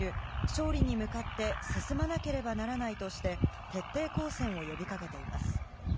勝利に向かって進まなければならないとして、徹底抗戦を呼びかけています。